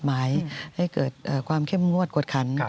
ให้เกิดความเข้มงวดกฎขรรพ์